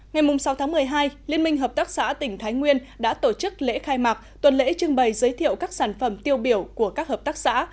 ngày sáu tháng một mươi hai liên minh hợp tác xã tỉnh thái nguyên đã tổ chức lễ khai mạc tuần lễ trưng bày giới thiệu các sản phẩm tiêu biểu của các hợp tác xã